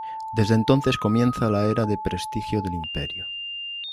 Desde entonces comienza la era de prestigio del imperio.